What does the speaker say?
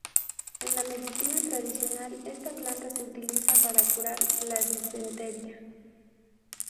En la medicina tradicional esta planta se utiliza para curar la disentería.